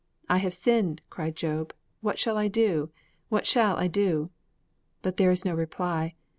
'I have sinned,' cried Job; 'what shall I do? What shall I do?' But there is no reply.